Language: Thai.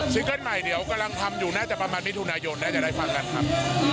เกิ้ลใหม่เดี๋ยวกำลังทำอยู่น่าจะประมาณมิถุนายนนะเดี๋ยวได้ฟังกันครับ